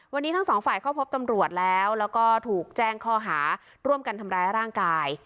วันนี้ทั้งสองฝ่ายเข้าพบตำรวจแล้วแล้วก็ถูกแจ้งข้อหาร่วมกันทำร้ายร่างกาย